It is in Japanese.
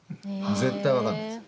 絶対、分かんないです。